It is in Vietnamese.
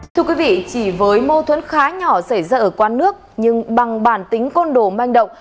thưa quý vị chỉ với mâu thuẫn khá nhỏ xảy ra ở quán nước nhưng bằng bản tính côn đồ manh động